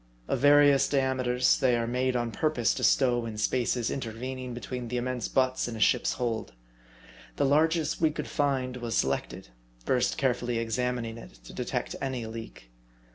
Of various diameters, they are made on purpose to stow into spaces intervening between the immense butts in a ship's hold. The largest we could find was selected, first carefully examining it to detect any leak.